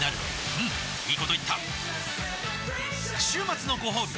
うんいいこと言った週末のごほうび